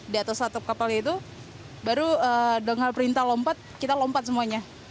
di atas satu kapal itu baru dengar perintah lompat kita lompat semuanya